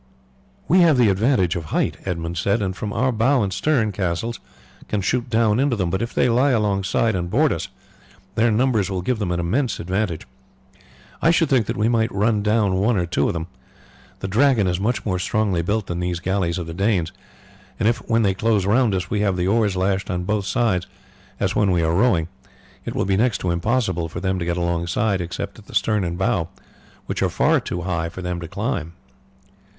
"We have the advantage of height," Edmund said, "and from our bow and stern castles can shoot down into them; but if they lie alongside and board us their numbers will give them an immense advantage. I should think that we might run down one or two of them. The Dragon is much more strongly built than these galleys of the Danes, and if when they close round us we have the oars lashed on both sides as when we are rowing, it will be next to impossible for them to get alongside except at the stern and bow, which are far too high for them to climb."